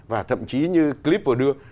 và thậm chí như clip vừa đưa